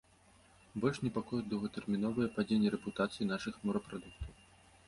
Больш непакоіць доўгатэрміновае падзенне рэпутацыі нашых морапрадуктаў.